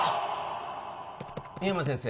深山先生